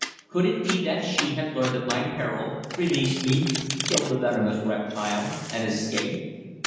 Could it be that she had learned of my peril, released me, killed the venomous reptile, and escaped?